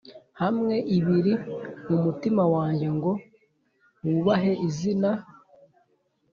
Hamwe ibiri mu mutima wanjye ngo wubahe izina